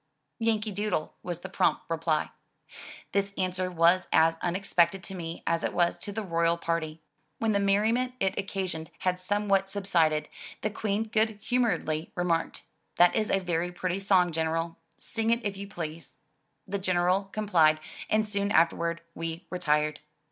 "Yankee Doodle," was the prompt reply. This answer was as imexpected to me as it was to the royal party. When the merriment it occasioned had somewhat sub sided, the Queen good humoredly remarked, "That is a very pretty song. General; sing it if you please.'* The General com plied and soon afterward we retired.